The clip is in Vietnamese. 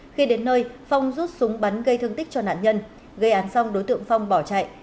khi đến nơi phong rút súng bắn gây thương tích cho nạn nhân gây án xong đối tượng phong bỏ chạy